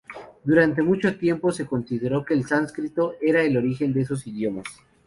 Durante mucho tiempo se consideró que el sánscrito era el origen de esos idiomas.